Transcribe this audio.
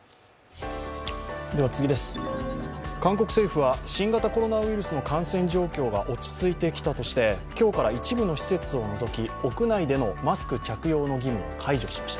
韓国政府は新型コロナウイルスの感染状況が落ち着いてきたとして今日から一部の施設を除き、屋内でのマスク着用の義務を解除しました。